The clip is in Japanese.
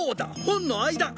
本の間！